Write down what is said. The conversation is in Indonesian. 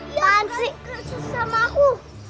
iya berani gak sama aku